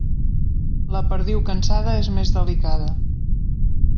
La perdiu cansada és més delicada.